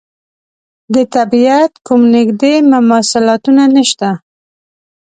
د طبعیت کوم نږدې مماثلاتونه نشته.